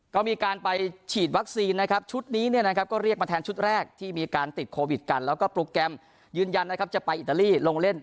ก็มีการไปฉีดวัคซีนนะครับชุดนี้เนี่ยนะครับก็เรียกมาแทนชุดแรกที่มีการติดโควิดกันแล้วก็โปรแกรมยืนยันนะครับจะไปอิตาลีลงเล่น